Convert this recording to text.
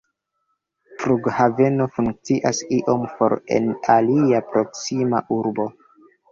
Flughaveno funkcias iom for en alia proksima urbo.